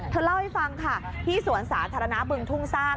เธอเล่าให้ฟังค่ะที่สวนสาธารณะบึงทุ่งสร้าง